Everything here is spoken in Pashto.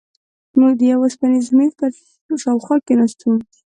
موږ د یوه اوسپنیز میز پر شاوخوا کېناستو.